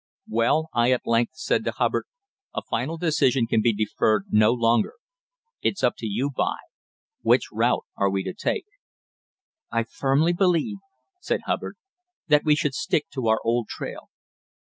"Well," I at length said to Hubbard, "a final decision can be deferred no longer. It's up to you, b'y which route are we to take?" "I firmly believe," said Hubbard, "that we should stick to our old trail."